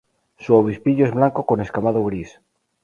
Su obispillo es blanco con escamado gris.